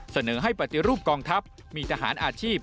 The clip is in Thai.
เสนอให้ปฏิรูปกองทัพมีทหารอาชีพ